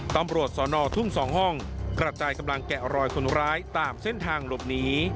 ตำรวจสอนอทุ่ง๒ห้องกระจายกำลังแกะรอยคนร้ายตามเส้นทางหลบหนี